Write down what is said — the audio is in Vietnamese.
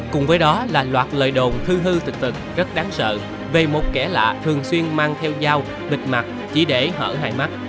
cùng với đó là loạt lời đồn thư hư thực rất đáng sợ về một kẻ lạ thường xuyên mang theo dao bịt mặt chỉ để hở hai mắt